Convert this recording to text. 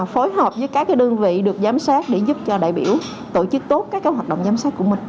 phối hợp với các đơn vị được giám sát để giúp cho đại biểu tổ chức tốt các hoạt động giám sát của mình